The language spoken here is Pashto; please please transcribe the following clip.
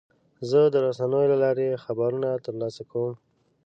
زه د رسنیو له لارې خبرونه ترلاسه کوم.